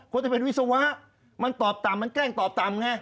จะเป็นวิศวะมันตอบต่ำมันแกล้งตอบต่ำไง